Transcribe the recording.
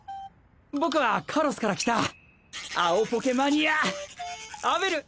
僕はカロスから来た青ポケマニアアベル。